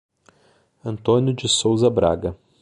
Antônio de Souza Braga